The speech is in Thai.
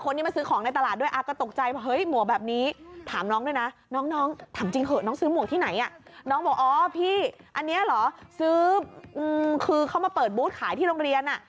น้องบอกอ๋อพี่อันเนี้ยเหรอซื้ออืมคือเขามาเปิดบูธขายที่โรงเรียนอ่ะ